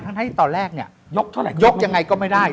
ทั้งในตอนแรกเนี่ยยกยังไงก็ไม่ได้